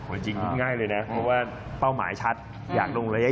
คือฉะนั้นก็ง่ายเลยนะเพราะว่าเทปเป้ามายชัดอยากลงระยะยาว